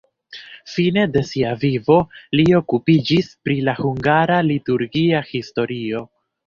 Fine de sia vivo li okupiĝis pri la hungara liturgia historio.